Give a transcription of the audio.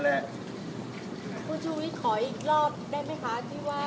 ผู้ชูวิทธิ์ขออีกรอบได้มั้ยคะที่ว่าเอ่อ